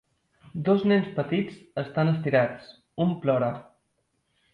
Dos nens petits estan estirats, un plora.